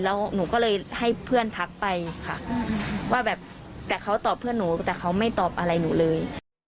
แล้วหนูก็เลยให้เพื่อนทักไปค่ะว่าแบบแต่เขาตอบเพื่อนหนูแต่เขาไม่ตอบอะไรหนูเลย